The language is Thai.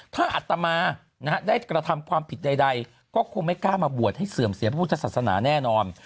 ถ้าอัตมาได้กระทำความผิดใดก็คงไม่กล้ามาบวชให้เสื่อมเสียพระพุทธศาสนาแน่นอน